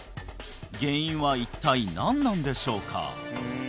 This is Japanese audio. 原因は一体何なんでしょうか？